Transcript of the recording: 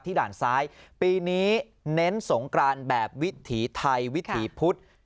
ด่านซ้ายปีนี้เน้นสงกรานแบบวิถีไทยวิถีพุธ